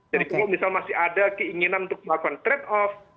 kalau misalnya masih ada keinginan untuk melakukan trade off